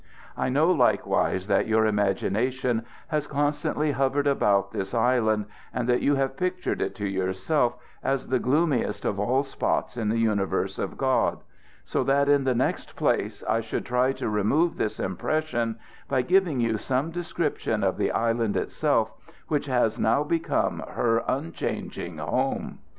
I know, likewise, that your imagination has constantly hovered about this island, and that you have pictured it to yourself as the gloomiest of all spots in the universe of God; so that in the next place I should try to remove this impression by giving you some description of the island itself, which has now become her unchanging home.